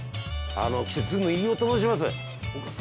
ずんの飯尾と申します。